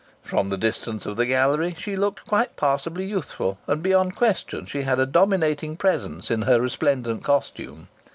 From the distance of the gallery she looked quite passably youthful, and beyond question she had a dominating presence in her resplendent costume.